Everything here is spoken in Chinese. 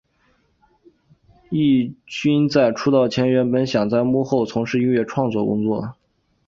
镒勋在出道前原本想在幕后从事音乐创作工作。